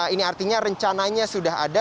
ini artinya rencananya sudah ada